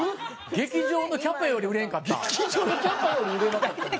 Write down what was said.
劇場のキャパより売れなかったです。